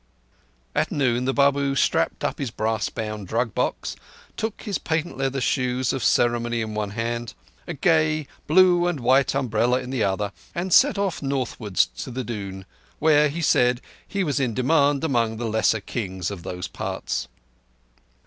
At noon the Babu strapped up his brass bound drug box, took his patent leather shoes of ceremony in one hand, a gay blue and white umbrella in the other, and set off northwards to the Doon, where, he said, he was in demand among the lesser kings of those parts.